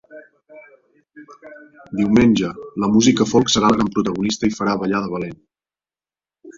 Diumenge, la música folk serà la gran protagonista i farà ballar de valent.